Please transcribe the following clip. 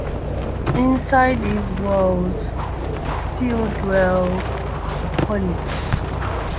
Inside these wells still dwell the polyps.